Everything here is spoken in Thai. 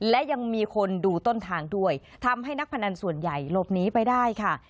และยังมีคนดูต้นทางด้วยทำให้นักพนันส่วนใหญ่หลบหนีไปได้ค่ะ